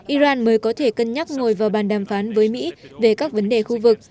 iran mới có thể cân nhắc ngồi vào bàn đàm phán với mỹ về các vấn đề khu vực